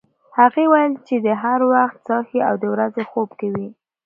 هغې ویل چې دی هر وخت څاښتي او د ورځې خوب کوي.